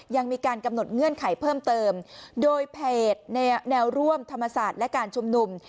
ยังมีการกำหนดเงื่อนไขเพิ่มเติมโดยเพจแนวร่วมธรรมศาสตร์และการชุมนุม